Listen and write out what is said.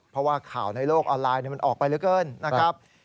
เพราะว่าข่าวในโลกออนไลน์มันออกไปเหลือเกินนะครับ